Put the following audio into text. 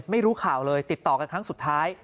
ไม่รู้ข่าวเลยติดต่อกันครั้งสุดท้าย